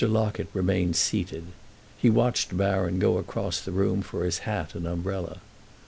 Locket remained seated; he watched Baron go across the room for his hat and umbrella.